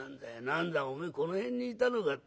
何だおめえこの辺にいたのか。